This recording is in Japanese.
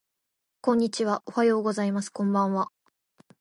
こんにちはおはようございますこんばんは